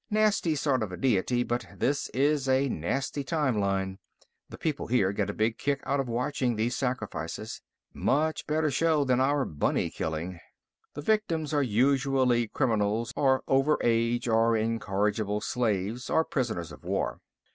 Nasty sort of a deity, but this is a nasty time line. The people here get a big kick out of watching these sacrifices. Much better show than our bunny killing. The victims are usually criminals, or overage or incorrigible slaves, or prisoners of war.